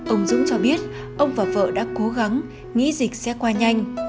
ông dũng cho biết ông và vợ đã cố gắng nghĩ dịch sẽ qua nhanh